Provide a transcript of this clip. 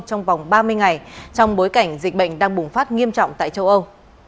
trong vòng ba mươi ngày trong bối cảnh dịch bệnh đang bùng phát nghiêm trọng tại châu âu